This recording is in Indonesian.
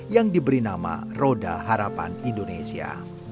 yang diberi nama roda harapan indonesia